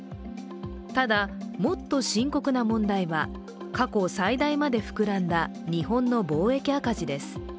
ただ、もっと深刻な問題は過去最大にまで膨らんだ日本の貿易赤字です。